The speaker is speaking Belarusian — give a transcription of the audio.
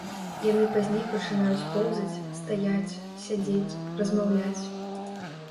Яны пазней пачынаюць поўзаць, стаяць, сядзець, размаўляць.